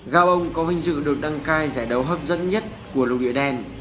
gabon có vinh dự được đăng cai giải đấu hấp dẫn nhất của lục địa đen